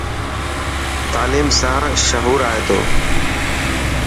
تعليم سان شهو آئي تو.